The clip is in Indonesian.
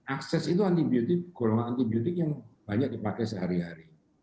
akses itu antibiotik golongan antibiotik yang banyak dipakai sehari hari